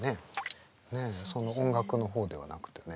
音楽の方ではなくてね。